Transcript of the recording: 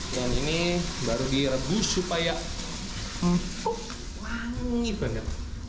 dan ini baru direbus supaya wangi banget